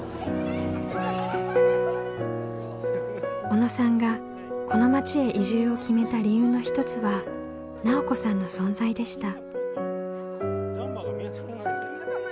小野さんがこの町へ移住を決めた理由の一つは奈緒子さんの存在でした。